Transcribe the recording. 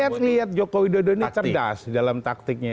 saya lihat jokowi dodo ini cerdas dalam taktiknya